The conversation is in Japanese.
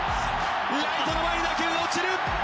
ライトの前に打球が落ちる。